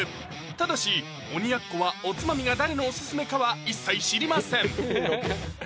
ただし鬼奴はおつまみが誰のオススメかは一切知りません！